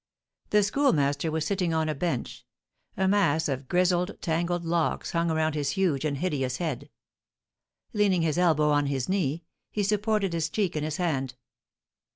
The Schoolmaster was sitting on a bench; a mass of grizzled, tangled locks hung around his huge and hideous head; leaning his elbow on his knee, he supported his cheek in his hand.